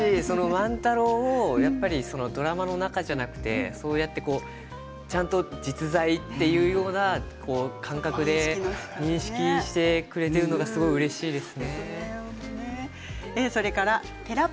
万太郎をドラマの中だけではなくてちゃんと実在というような感覚で認識してくれているのがすごくうれしいです。